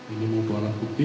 ini membawa alat bukti